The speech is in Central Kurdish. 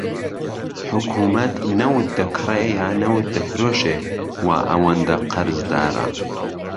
حکومەت نەوت دەکڕێ یان نەوت دەفرۆشێ وا ئەوەندە قەرزدارە